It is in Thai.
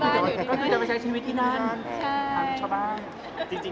ทำไมถึงเลือกไปที่นี่